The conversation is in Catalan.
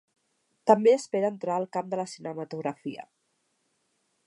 També espera entrar al camp de la cinematografia.